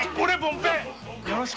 よろしくね。